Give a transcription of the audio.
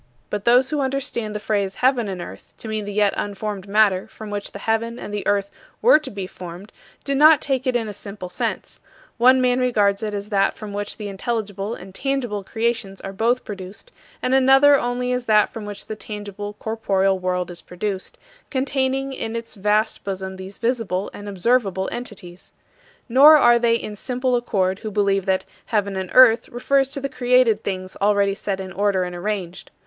But those who understand the phrase "heaven and earth" to mean the yet unformed matter from which the heaven and the earth were to be formed do not take it in a simple sense: one man regards it as that from which the intelligible and tangible creations are both produced; and another only as that from which the tangible, corporeal world is produced, containing in its vast bosom these visible and observable entities. Nor are they in simple accord who believe that "heaven and earth" refers to the created things already set in order and arranged.